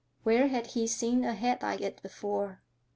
Where had he seen a head like it before?